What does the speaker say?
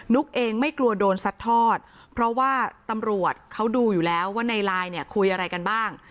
เองไม่กลัวโดนซัดทอดเพราะว่าตำรวจเขาดูอยู่แล้วว่าในไลน์เนี่ยคุยอะไรกันบ้าง